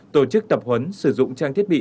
tổ chức tập huấn sử dụng trang thiết bị